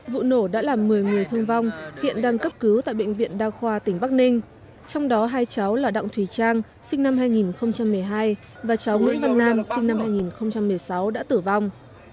vụ nổ đã làm một mươi người thương vong hiện đang cấp cứu tại bệnh viện đa khoa tỉnh bắc ninh trong đó hai cháu là đặng thùy trang sinh năm hai nghìn một mươi hai và cháu nguyễn văn nam sinh năm hai nghìn một mươi sáu đã tử vong